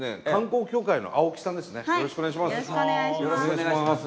よろしくお願いします。